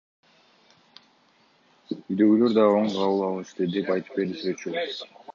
Үйдөгүлөр да оң кабыл алышты, — деп айтып берди сүрөтчү кыз.